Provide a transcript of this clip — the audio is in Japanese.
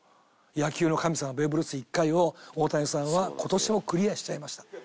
野球の神様ベーブ・ルース１回を大谷さんは今年もクリアしちゃいました。